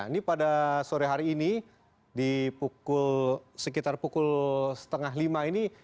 ini pada sore hari ini di sekitar pukul setengah lima ini